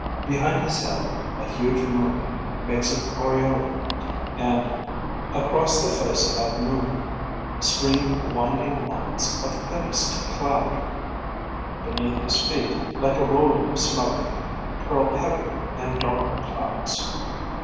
Behind his head a huge moon makes an aureole and across the face of that moon stream winding lines of thinnest cloud. Beneath his feet, like a rolling of smoke, curl heavier and darker clouds.